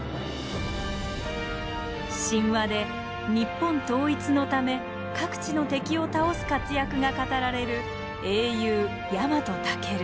神話で日本統一のため各地の敵を倒す活躍が語られる英雄ヤマトタケル。